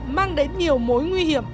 mang đến nhiều mối nguy hiểm